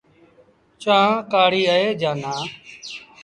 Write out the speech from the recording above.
چآنه ڪآڙيٚ اهي جآن نا۔